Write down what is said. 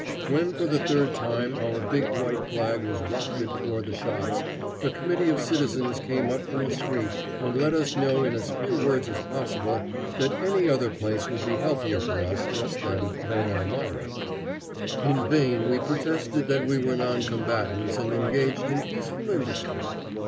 When for the third time our big white flag was wafted toward the shops, a committee of citizens came up from the street and let us know in as few words as possible that any other place would be healthier for us just then than Elmira. In vain we protested that we were noncombatants and engaged in peaceful industry.